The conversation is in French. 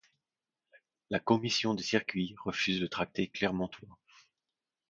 La commission des circuits refuse le tracé clermontois.